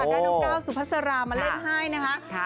ได้น้องก้าวสุภาษารามาเล่นให้นะคะ